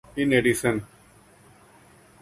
In addition.